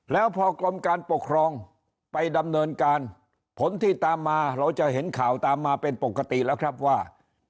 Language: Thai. แล้วพอกรมการปกครองไปดำเนินการผลที่ตามมาเราจะเห็นข่าวตามมาเป็นปกติแล้วครับว่า